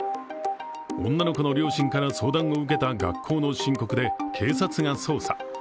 女の子の両親から相談を受けた学校の申告で警察が捜査。